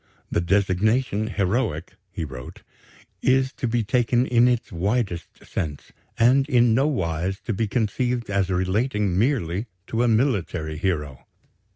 "The designation 'heroic,'" he wrote, "is to be taken in its widest sense, and in no wise to be conceived as relating merely to a military hero.